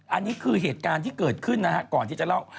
อันนี้คือเหตุการณ์ที่เกิดขึ้นนะฮะก่อนที่จะเล่า